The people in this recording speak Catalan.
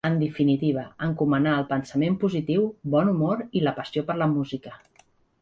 En definitiva, encomanar el pensament positiu, bon humor i la passió per la música.